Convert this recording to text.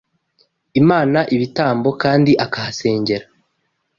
Imana ibitambo kandi akahasengera